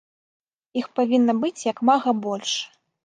Іх павінна быць як мага больш!